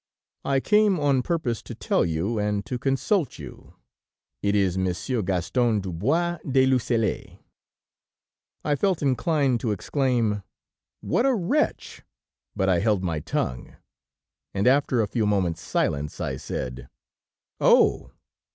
"'I came on purpose to tell you, and to consult you. It is Monsieur Gaston du Boys de Lucelles.' "I felt inclined to exclaim: 'What a wretch,' but I held my tongue, and after a few moments' silence, I said: "'Oh!